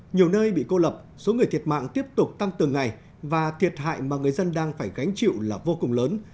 nhiều nơi bị cô lập số người thiệt mạng tiếp tục tăng từng ngày và thiệt hại mà người dân đang phải gánh chịu là vô cùng lớn